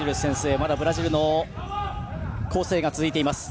まだブラジルの攻勢が続きます。